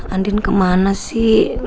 andin kemana sih